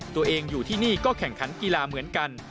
ตัวเองอยู่ที่นี่ก็แข่งขันกีฬาเหมือนกัน